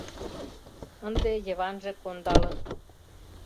Ынде Йыванже кондалын